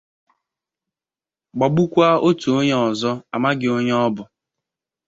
gbagbukwa otu onye ọzọ a maghị onye ọ bụ